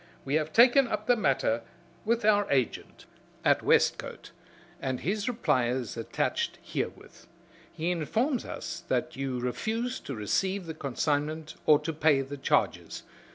We have taken up the matter with our agent at Westcote, and his reply is attached herewith. He informs us that you refused to receive the consignment or to pay the charges.